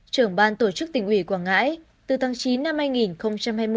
trưởng ban tổ chức tỉnh ủy quảng ngãi từ tháng chín năm hai nghìn hai mươi